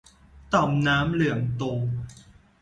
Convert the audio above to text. ต่อมน้ำเหลืองโต